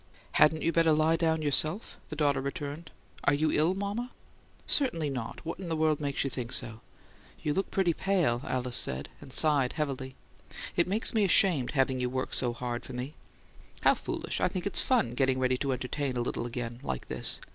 "Hadn't you better lie down yourself?" the daughter returned. "Are you ill, mama?" "Certainly not. What in the world makes you think so?" "You look pretty pale," Alice said, and sighed heavily. "It makes me ashamed, having you work so hard for me." "How foolish! I think it's fun, getting ready to entertain a little again, like this.